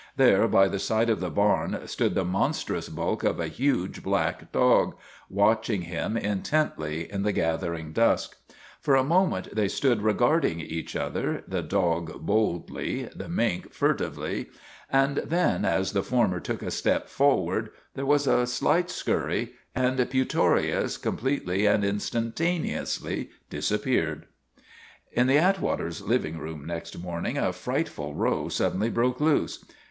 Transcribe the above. There by the side of the barn stood the monstrous bulk of a huge black dog, watching him intently in the gathering dusk. For a moment they stood regarding each other, the dog boldly, the mink furtively, and then, as the former took a step forward, there was a slight scurry, and Putorius completely and instantaneously disap peared. In the Atwaters' living room next morning a frightful row suddenly broke loose.